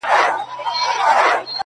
ارمانه اوس درنه ښكلا وړي څوك~